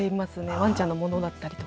わんちゃんのものだったりとか。